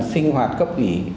sinh hoạt cấp kỷ